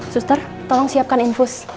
suster tolong siapkan infus